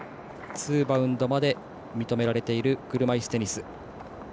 ツーバウンドまで認められている車いすテニス。